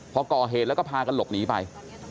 พอก่อเหตุแล้วก็พากันหลบหนีไป